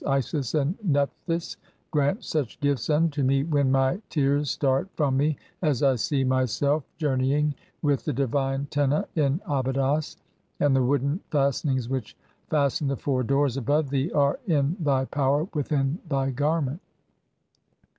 Isis and Nephthys) grant [such] gifts "unto me when my tears start from me as I see myself (17) "journeying with the divine Tena in Abydos, and the wooden "fastenings which fasten the four doors above thee are in thy "power (18) within thy garment.